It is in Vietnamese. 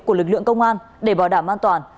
của lực lượng công an để bảo đảm an toàn